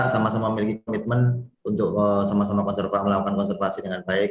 sama sama memiliki komitmen untuk sama sama melakukan konservasi dengan baik